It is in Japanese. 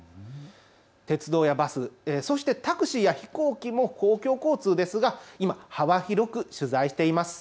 鉄道やバス、そしてタクシーや飛行機も公共交通ですが今、幅広く取材しています。